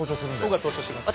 僕が投書します。